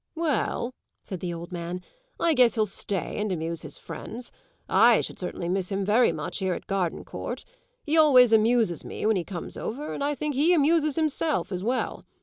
"Well," said the old man, "I guess he'll stay and amuse his friends. I should certainly miss him very much here at Gardencourt. He always amuses me when he comes over, and I think he amuses himself as well.